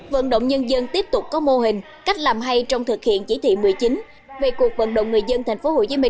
vận động nhân dân tiếp tục có mô hình cách làm hay trong thực hiện chỉ thị một mươi chín về cuộc vận động người dân tp hcm